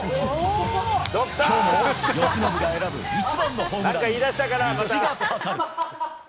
きょうも由伸が選ぶ一番のホームランに虹がかかる。